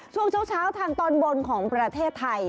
ช่วงเช้าทางตอนบนของประเทศไทย